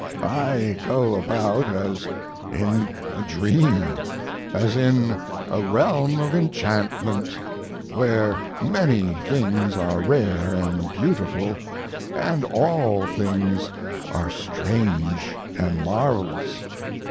I go about as in a dream as in a realm of enchantment where many things are rare and beautiful, and all things are strange and marvelous.